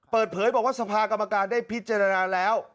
เปิดเผยบอกว่าสภากรรมการได้พิจารณาแล้ว